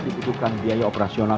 diperlukan biaya operasional